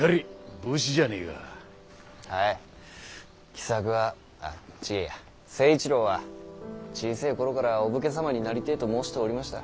喜作はあ違ぇや成一郎は小せぇ頃からお武家様になりてぇと申しておりました。